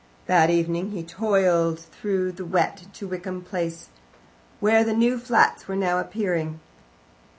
That evening he toiled through the wet to Wickham Place, where the new flats were now appearing.